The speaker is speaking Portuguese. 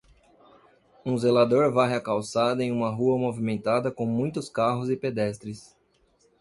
Um zelador varre a calçada em uma rua movimentada com muitos carros e pedestres.